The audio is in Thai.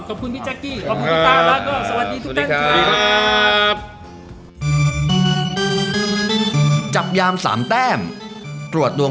ขอบคุณพี่แจ๊กกี้ขอบคุณทุกคน